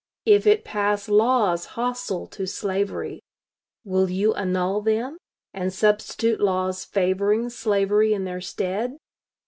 If it pass laws hostile to slavery, will you annul them and substitute laws favoring slavery in their stead?...